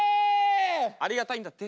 ありがたいんだって。